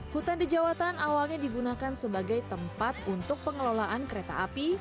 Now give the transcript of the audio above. hutan dejawatan awalnya digunakan sebagai tempat untuk pengelolaan kereta api